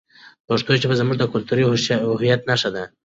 پښتو ژبه زموږ د کلتوري هویت نښه ده.